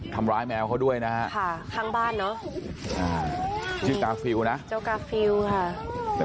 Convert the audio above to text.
ทำร้ายแมวเขาด้วยนะฮะค่ะทางบ้านเนอะชื่อกาฟิลล์นะเจ้ากาฟิลล์ค่ะ